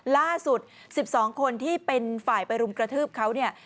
ล่าสุด๑๒คนที่เป็นฝ่ายไปรุมกระทืบเขาเนี่ย